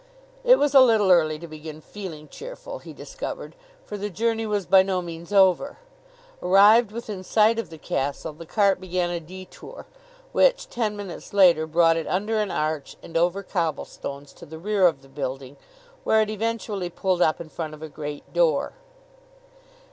It was a little early to begin feeling cheerful, he discovered, for the journey was by no means over. Arrived within sight of the castle, the cart began a detour, which, ten minutes later, brought it under an arch and over cobblestones to the rear of the building, where it eventually pulled up in front of a great door.